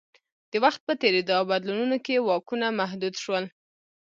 د وخت په تېرېدو او بدلونونو کې واکونه محدود شول